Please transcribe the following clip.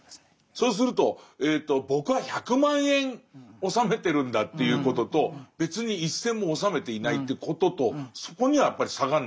そうすると僕は１００万円納めてるんだということと別に一銭も納めていないということとそこにはやっぱり差がない？